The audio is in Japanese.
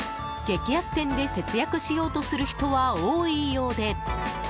激安店で節約しようとする人は多いようで。